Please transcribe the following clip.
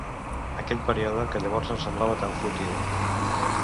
Aquell període, que llavors em semblava tan fútil